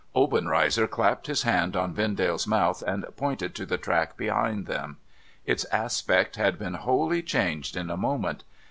Obenreizer clapped his hand on Vendale's mouth and pointed to the track behind them. Its aspect had been wholly changed in a moment.